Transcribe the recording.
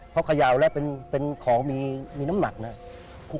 เพราะเขย่าและเป็นของมีน้ำหนักนะครับ